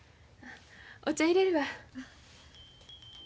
お茶いれるわ。